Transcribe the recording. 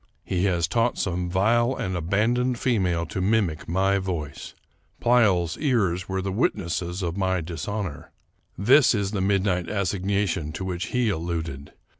He has taught some vile and aban doned female to mimic my voice. Pleyel's ears were the witnesses of my dishonor. This is the midnight assignation to which he alluded.